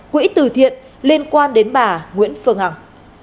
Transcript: quỹ từ thiện liên quan đến bà nguyễn phương hằng